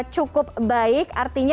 cukup baik artinya